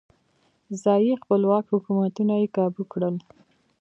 ځايي خپلواک حکومتونه یې کابو کړل.